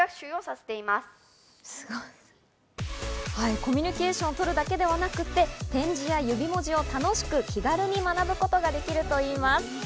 コミュニケーションをとるだけではなくて点字や指文字を楽しく気軽に学ぶことができるといいます。